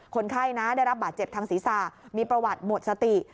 คนไข้นะได้รับบาดเจ็บทางศีรษะมีประวัติหมดสติ